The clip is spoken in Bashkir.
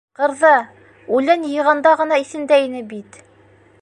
Ҡырҙа, үлән йыйғанда ғына иҫендә ине бит...